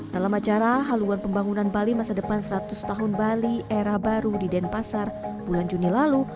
dalam acara haluan pembangunan bali masa depan seratus tahun bali era baru di denpasar bulan juni lalu